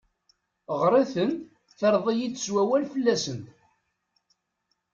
Ɣer-itent terreḍ-iyi-d s wawal fell-asent.